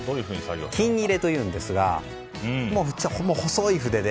金入れといいますが細い筆で。